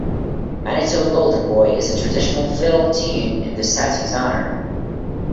"Manitoba Golden Boy" is a traditional fiddle tune in the statue's honour.